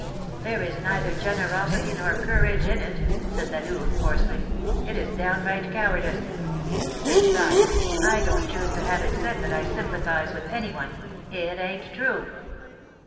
"There is neither generosity nor courage in it," said La Louve, coarsely; "it is downright cowardice. Besides, I don't choose to have it said that I sympathise with any one. It ain't true."